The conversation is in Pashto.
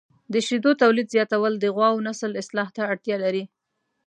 د شیدو تولید زیاتول د غواوو نسل اصلاح ته اړتیا لري.